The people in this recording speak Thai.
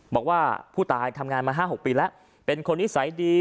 บอกว่าผู้ตายทำงานมา๕๖ปีแล้วเป็นคนนิสัยดี